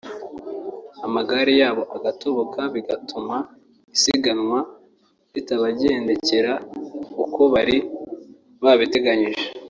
amagare yabo agatoboka bigatuma isiganwa ritabagendekera uko bari babiteganyije